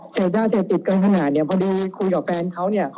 เสพยาเสพติดเกินขนาดเนี่ยพอดีคุยกับแฟนเขาเนี่ย